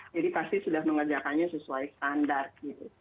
jadi pasti sudah mengerjakannya sesuai standar gitu